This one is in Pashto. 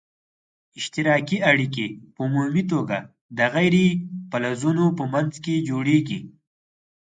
اشتراکي اړیکي په عمومي توګه د غیر فلزونو په منځ کې جوړیږي.